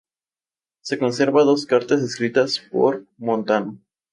Se conservan dos cartas escritas por Montano.